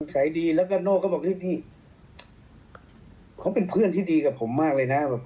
สายดีแล้วก็โน่ก็บอกเฮ้ยพี่เขาเป็นเพื่อนที่ดีกับผมมากเลยนะ